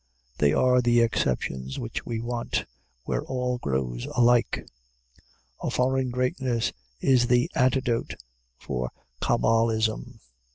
They are the exceptions which we want, where all grows alike. A foreign greatness is the antidote for cabalism.